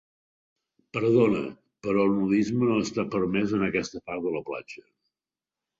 Perdona, però el nudisme no està permès en aquesta part de la platja.